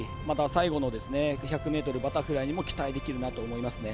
、最後の１００ｍバタフライにも期待できるなと思いますね。